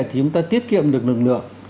thì chúng ta tiết kiệm được lực lượng